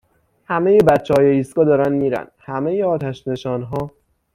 همهی بچههای ایستگاه دارن میرن همهی آتشنشانها